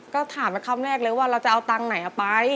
ก็ถามคำแรกเลยว่าเราจะเอาตังค์ไหนเอาไป